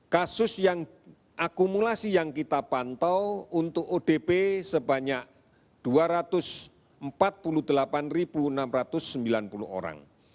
kasus yang akumulasi yang kita pantau untuk odp sebanyak dua ratus empat puluh delapan enam ratus sembilan puluh orang